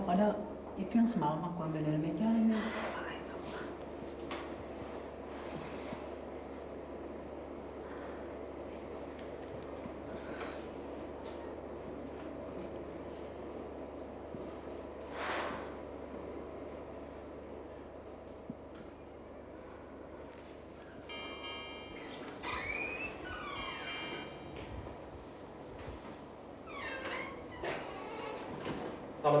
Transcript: pak asani mesti ingin menceritakan sesuatu